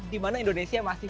di mana indonesia masih